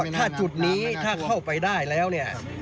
ถ้าจุดนี้ถ้าเข้าไปได้แล้วเนี่ย